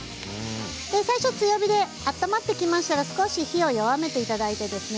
最初、強火で温まってきましたら少し火を弱めていただいてですね